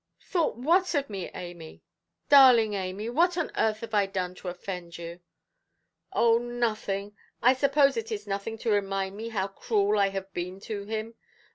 "Thought what of me, Amy? Darling Amy, what on earth have I done to offend you"? "Oh, nothing. I suppose it is nothing to remind me how cruel I have been to him.